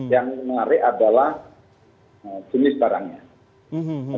yang menarik adalah jenis barangnya